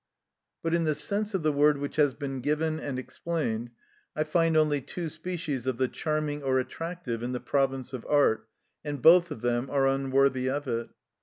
But in the sense of the word which has been given and explained, I find only two species of the charming or attractive in the province of art, and both of them are unworthy of it.